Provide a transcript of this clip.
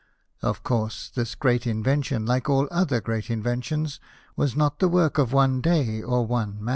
Of course, this great invention, like all other great inven tions, was not the work of one day or one man.